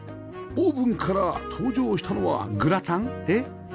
オーブンから登場したのはグラタン？えっ？